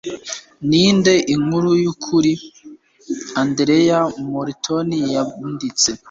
Ninde “Inkuru y'ukuri” Andereya Morton yanditse?